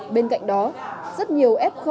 bên cạnh đó rất nhiều f